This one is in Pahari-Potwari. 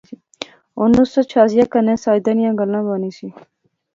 ہن نصرت شازیہ کنے ساجدے نیاں گلاں بانی سی